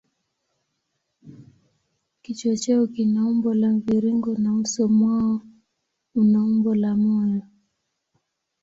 Kichwa chao kina umbo la mviringo na uso mwao una umbo la moyo.